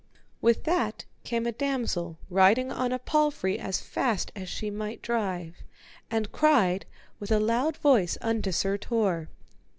With that came a damosel riding on a palfrey as fast as she might drive, and cried with a loud voice unto Sir Tor.